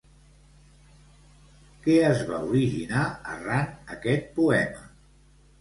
Què es va originar arran aquest poema?